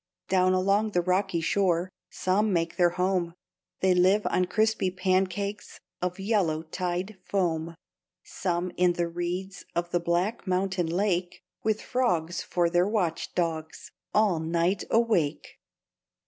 Down along the rocky shore Some make their home, They live on crispy pancakes Of yellow tide foam; Some in the reeds Of the black mountain lake, With frogs for their watch dogs, All night awake.